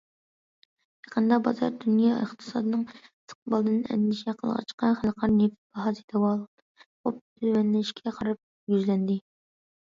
يېقىندا، بازار دۇنيا ئىقتىسادىنىڭ ئىستىقبالىدىن ئەندىشە قىلغاچقا، خەلقئارا نېفىت باھاسى داۋالغۇپ تۆۋەنلەشكە قاراپ يۈزلەندى.